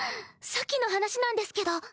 さっきの話なんですけど。